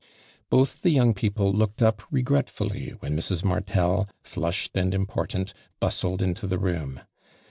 Both the young people looked up regretful ly when Mrs. Martel, flushed and important, bustled into the room.